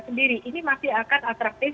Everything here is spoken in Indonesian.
sendiri ini masih akan atraktif